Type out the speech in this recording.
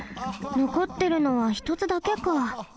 のこってるのはひとつだけか。